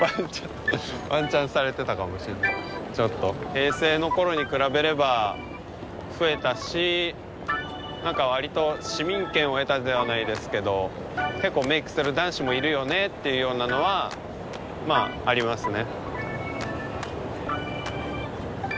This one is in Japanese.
平成のころに比べれば増えたし何かわりと市民権を得たではないですけど結構メイクする男子もいるよねっていうようなのはまあありますね。